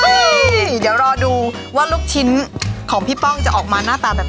นี่เดี๋ยวรอดูว่าลูกชิ้นของพี่ป้องจะออกมาหน้าตาแบบไหน